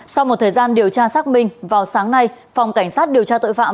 sau một thời gian điều tra xác minh vào sáng nay phòng cảnh sát điều tra tội phạm